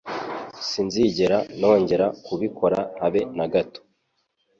Sinzigera nongera kubikora habe na gato.